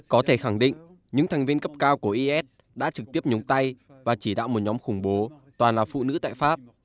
có thể khẳng định những thành viên cấp cao của is đã trực tiếp nhống tay và chỉ đạo một nhóm khủng bố toàn là phụ nữ tại pháp